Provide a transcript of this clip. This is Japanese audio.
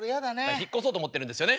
引っ越そうと思ってるんですよね。